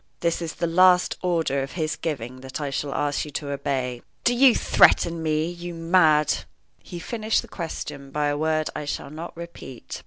"This is the last order of his giving that I shall ask you to obey." "Do you threaten me, you mad " He finished the question by a word I shall not repeat.